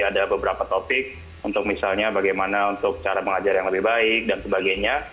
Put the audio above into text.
ada beberapa topik untuk misalnya bagaimana untuk cara mengajar yang lebih baik dan sebagainya